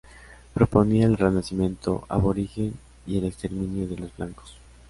Proponía el renacimiento aborigen y el exterminio de los blancos.